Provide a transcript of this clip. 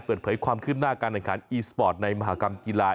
เปิดเผยความคืบหน้าการแข่งขันอีสปอร์ตในมหากรรมกีฬา